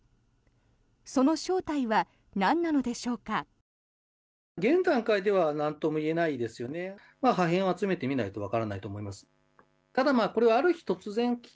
その正体はなんなのでしょうか。